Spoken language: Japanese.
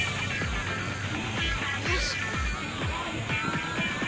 よし。